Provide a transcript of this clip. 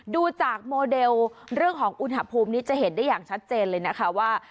ดูจากโมเดลเรื่องของอุณหภูมินี้จะเห็นได้อย่างชัดเจนเลยนะคะว่า